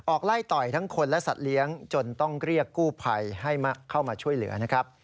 ไล่ต่อยทั้งคนและสัตว์เลี้ยงจนต้องเรียกกู้ภัยให้เข้ามาช่วยเหลือนะครับ